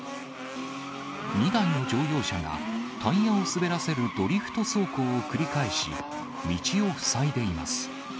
２台の乗用車がタイヤを滑らせるドリフト走行を繰り返し、道を塞いでいます。